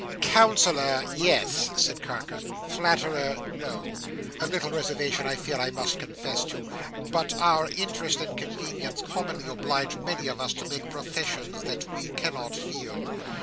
"Counsellor,—yes," said Carker. "Flatterer,—no. A little reservation I fear I must confess to. But our interest and convenience commonly oblige many of us to make professions that we cannot feel.